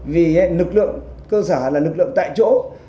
vì hệ lực lượng cơ sở là lực lượng tại chỗ